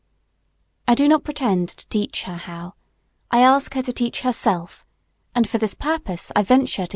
I do not pretend to teach her how, I ask her to teach herself, and for this purpose I venture to give her some hints.